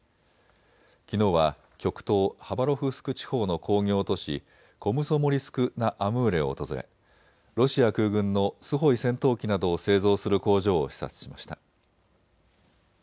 きのうは極東ハバロフスク地方の工業都市コムソモリスク・ナ・アムーレを訪れロシア空軍のスホイ戦闘機などを製造する工場を視察しました。